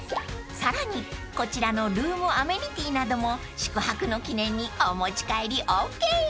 ［さらにこちらのルームアメニティーなども宿泊の記念にお持ち帰りＯＫ］